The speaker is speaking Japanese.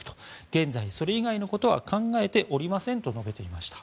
現在、それ以外のことは考えておりませんと述べていました。